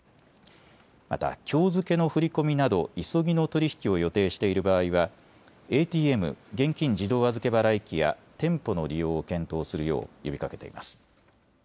また、きょう付けの振り込みなど急ぎの取り引きを予定している場合はＡＴＭ・現金自動預け払い機や店舗の利用を検討するよう呼びかけています。